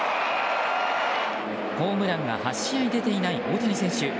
ホームランが８試合出ていない大谷選手。